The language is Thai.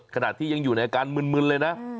ขณะที่ยังอยู่ในอาการมึนเลยนะ